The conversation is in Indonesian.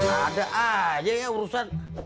ada aja ya urusan